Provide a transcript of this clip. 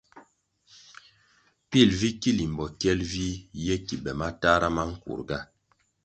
Pil vi ki limbo kyel vih ye ki be matahra ma nkurga.